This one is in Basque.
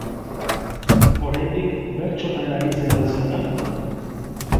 Oraindik bertsotan aritzen al zara?